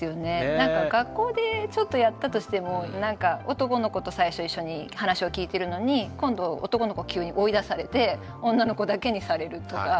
なんか学校でちょっとやったとしてもなんか男の子と最初一緒に話を聞いてるのに今度男の子は急に追い出されて女の子だけにされるとか。